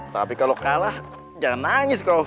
tapi kalau kalah jangan nangis kok